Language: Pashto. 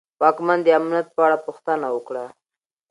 واکمن د امنیت په اړه پوښتنه وکړه.